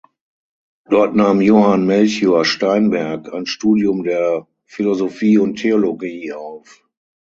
Dort nahm Johann Melchior Steinberg ein Studium der Philosophie und Theologie auf.